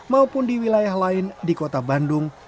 maupun di wilayah lain di kota bandung